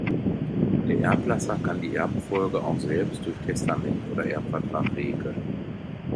Der Erblasser kann die Erbfolge auch selbst durch Testament oder Erbvertrag regeln.